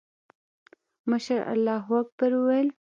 مشر الله اکبر وويل.